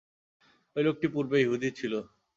ঐ লোকটি পূর্বে ইহুদী ছিল।